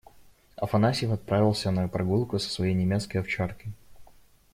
Афанасьев отправился на прогулку со своей немецкой овчаркой.